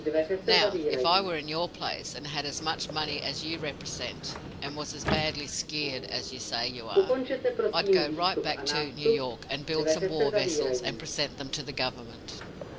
Now, if I were in your place, and had as much money as you represent, and was as badly skeered as you say you are I'd go right back to New York and build some war vessels and present them to the government."